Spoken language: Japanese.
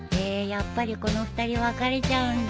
やっぱりこの二人別れちゃうんだ。